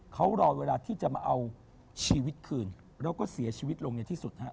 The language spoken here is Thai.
เขารอเวลาที่จะมาเอาชีวิตคืนแล้วก็เสียชีวิตลงในที่สุดฮะ